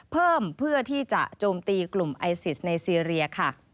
เพิ่มเพื่อที่จะโจมตีกลุ่มไอซิสในซีเรียค่ะ